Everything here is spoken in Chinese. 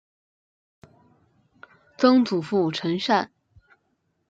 曾祖父陈善。